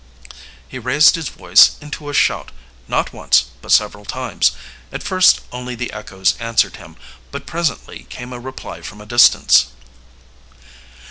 He raised his voice into a shout, not once, but several times. At first only the echoes answered him, but presently came a reply from a distance.